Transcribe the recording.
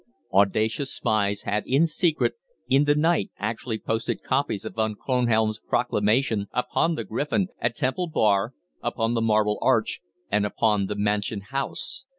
Audacious spies had, in secret, in the night actually posted copies of Von Kronhelm's proclamation upon the Griffin at Temple Bar, upon the Marble Arch, and upon the Mansion House.